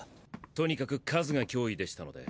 とにかく数が脅威でしたので。